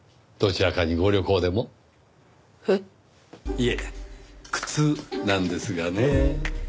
いえ靴なんですがねぇ。